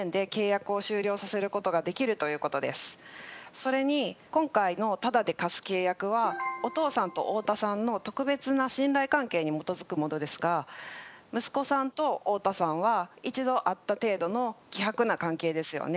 それに今回のタダで貸す契約はお父さんと太田さんの特別な信頼関係に基づくものですが息子さんと太田さんは一度会った程度の希薄な関係ですよね。